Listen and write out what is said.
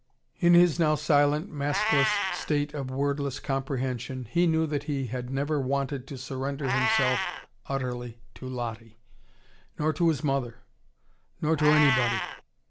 In his now silent, maskless state of wordless comprehension, he knew that he had never wanted to surrender himself utterly to Lottie: nor to his mother: nor to anybody.